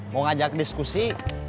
mau ngajak diskusi